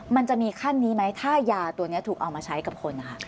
มันจะมีขั้นนี้ไหมถ้ายาตัวนี้ถูกเอามาใช้กับคนนะคะ